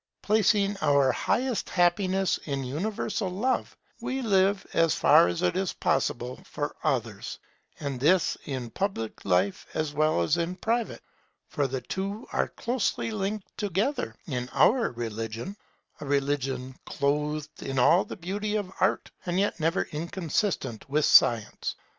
Placing our highest happiness in universal Love, we live, as far as it is possible, for others; and this in public life as well as in private; for the two are closely linked together in our religion; a religion clothed in all the beauty of Art, and yet never inconsistent with Science.